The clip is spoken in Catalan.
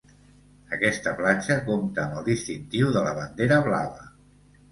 Aquesta platja compta amb el distintiu de la Bandera Blava.